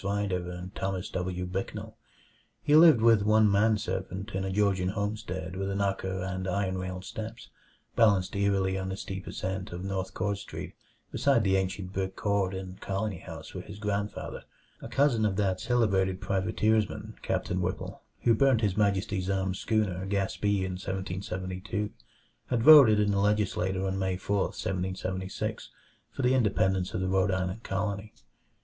Rider and Thomas W. Bicknell. He lived with one man servant in a Georgian homestead with knocker and iron railed steps, balanced eerily on the steep ascent of North Court Street beside the ancient brick court and colony house where his grandfather a cousin of that celebrated privateersman, Captain Whipple, who burnt His Majesty's armed schooner Gaspee in 1772 had voted in the legislature on May 4, 1776, for the independence of the Rhode Island Colony.